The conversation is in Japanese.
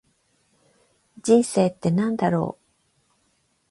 人生って何だろう。